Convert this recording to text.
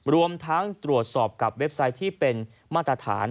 รวมทั้งตรวจสอบกับเว็บไซต์ที่เป็นมาตรฐาน